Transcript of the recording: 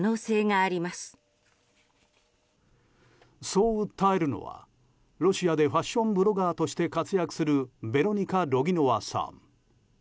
そう訴えるのは、ロシアでファッションブロガーとして活躍するベロニカ・ロギノワさん。